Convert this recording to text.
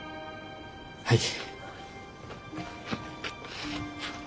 はい。